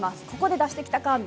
ここで出してきたか！